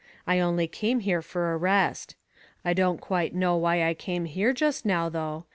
I only came here for a rest. I don't quite know why I came here just now though.